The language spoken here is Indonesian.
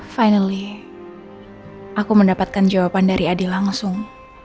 finally aku mendapatkan jawaban dari adi langsung